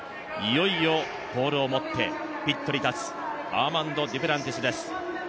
いいよポールを持って、ピットに立つアーマンド・デュプランティスです。